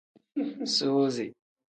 Suuzi.